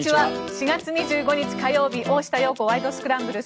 ４月２５日、火曜日「大下容子ワイド！スクランブル」。